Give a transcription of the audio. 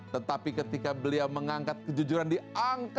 tetapi ketika beliau mengangkat kejujuran diangkat setinggi tingginya